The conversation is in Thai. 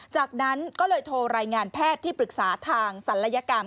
จากนั้นก็เลยโทรรายงานแพทย์ที่ปรึกษาทางศัลยกรรม